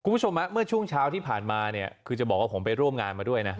คุณผู้ชมเมื่อช่วงเช้าที่ผ่านมาเนี่ยคือจะบอกว่าผมไปร่วมงานมาด้วยนะ